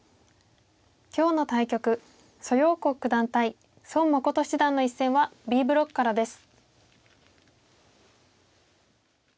今日の対局蘇耀国九段対孫七段の一戦はＢブロックからです。